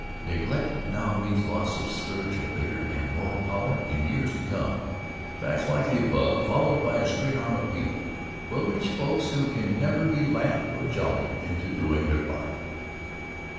Neglect now means loss of spiritual vigor and moral power in years to come.... Facts like the above, followed by a straight arm appeal, will reach folks who can never be laughed or jollied into doing their part."